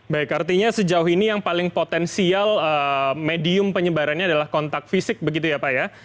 baik artinya sejauh ini yang paling potensial medium penyebarannya adalah kontak fisik begitu ya pak ya